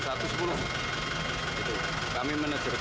kalau kebakarnya masih terlalu berinvestigasi